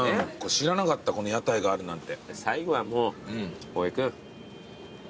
知らなかった屋台があるなんて。